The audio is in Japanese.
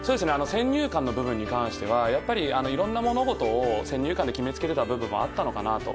先入観の部分についてはいろんな物事を先入観で決めつけていた部分もあったのかなと。